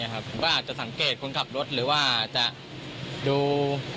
หลบสังเกตคนขับรถหรือว่าจะดู